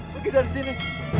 pergi dari sini